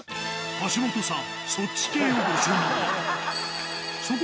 橋本さん